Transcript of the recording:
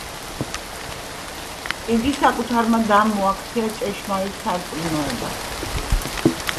იგი საკუთარმა დამ მოაქცია ჭეშმარიტ სარწმუნოებაზე.